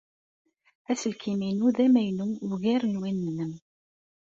Aselkim-inu d amaynu ugar n win-nnem.